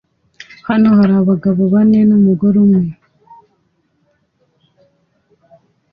Hano hari abagabo bane numugore umwe